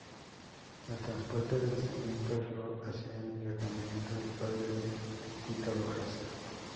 El transporte de instrumentos lo hacían en la camioneta del padre de Tito Rojas.